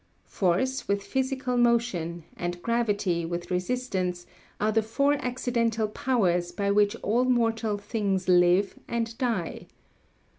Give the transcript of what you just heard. Force, with physical motion, and gravity, with resistance, are the four accidental powers by which all mortal things live and die.